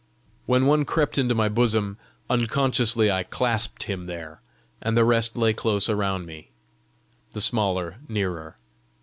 When one crept into my bosom, unconsciously I clasped him there, and the rest lay close around me, the smaller nearer.